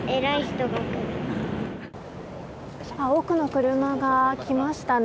多くの車が来ましたね。